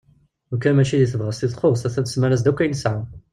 Lukan mačči deg tebɣest i txu a-t-an tesmar-as-d akk ayen tesɛa.